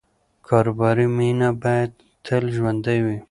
کاروباري مینه باید تل ژوندۍ وي.